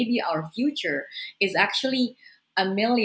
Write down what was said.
mungkin masa depan kita